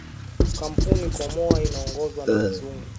Kampuni kamoa inaongozwa na wa zungu